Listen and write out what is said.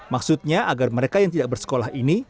maksudnya agar mereka yang tidak bersekolah ini